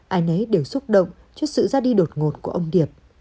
ai nấy đều xúc động trước sự ra đi đột ngột của ông điệp